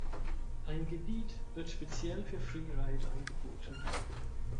Ein Gebiet wird speziell für Freeride angeboten.